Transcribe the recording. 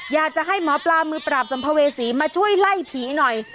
อยากจะให้หมอปลามือปราบสัมภเวษีมาช่วยไล่ผีหน่อย